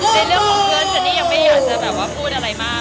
ในเรื่องของเพื่อนเจนนี่ยังไม่อยากจะแบบว่าพูดอะไรมาก